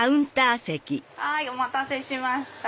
はいお待たせしました。